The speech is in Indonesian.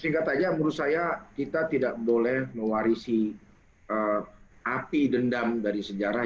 singkat saja menurut saya kita tidak boleh mewarisi api dendam dari sejarah